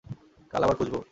কাল আবার খুঁজব।